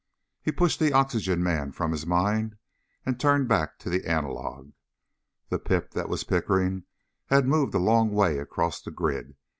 He pushed the oxygen man from his mind and turned back to the analog. The pip that was Pickering had moved a long way across the grid.